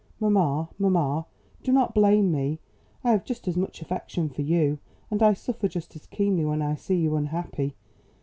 Mamma, mamma, do not blame me. I have just as much affection for you, and I suffer just as keenly when I see you unhappy.